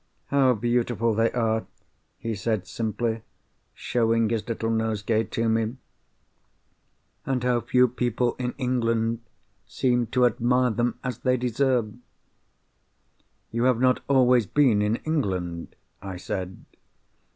"How beautiful they are!" he said, simply, showing his little nosegay to me. "And how few people in England seem to admire them as they deserve!" "You have not always been in England?" I said.